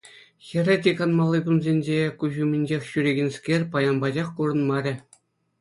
Хӗрӗ те канмалли кунсенче куҫ умӗнчех ҫӳрекенскер паян пачах курӑнмарӗ.